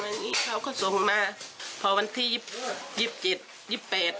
อย่างนี้เขาก็ส่งมาพอวันที่ยิบจิต